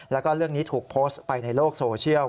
แล้วก็เรื่องนี้ถูกโพสต์ไปในโลกโซเชียล